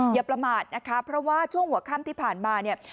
อย่าประมาทนะคะเพราะว่าช่วงหัวค่ำที่ผ่านมาเนี่ย